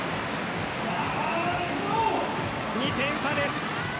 ２点差です。